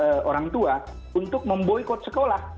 kami mendukung orang tua untuk memboykot sekolah